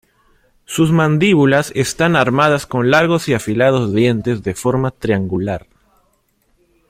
Sus mandíbulas están armadas con largos y afilados dientes de forma triangular.